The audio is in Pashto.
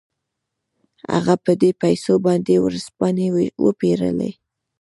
هغه په دې پيسو باندې ورځپاڼې وپېرلې.